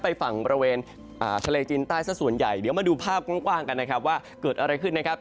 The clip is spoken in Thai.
ไปฝั่งบริเวณทะเลจีนใต้ซะส่วนใหญ่เดี๋ยวมาดูภาพกว้างกันนะครับว่าเกิดอะไรขึ้นนะครับ